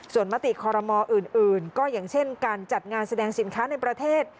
ส่วนมติคอรมออื่นก็อย่างเช่นการจัดงานแสดงสินค้าในประเทศ